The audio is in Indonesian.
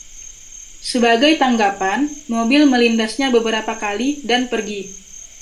Sebagai tanggapan, mobil melindasnya beberapa kali dan pergi.